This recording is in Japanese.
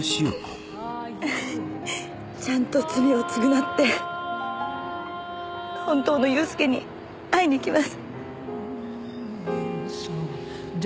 ちゃんと罪を償って本当の祐介に会いに行きます。